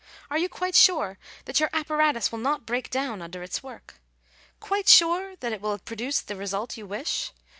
Are you quite sure that your apparatus will not break down under its work ? quite sure that it will produce the result you wish